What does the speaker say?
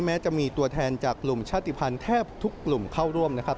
แม้จะมีตัวแทนจากกลุ่มชาติภัณฑ์แทบทุกกลุ่มเข้าร่วมนะครับ